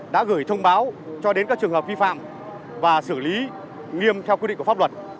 đã gửi thông báo cho đến các trường hợp vi phạm và xử lý nghiêm theo quy định của pháp luật